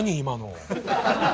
今の。